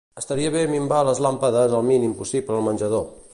Estaria bé minvar les làmpades al mínim possible al menjador.